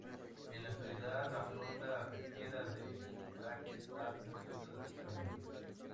En la actualidad la flota pesquera de Pasajes ha disminuido drásticamente.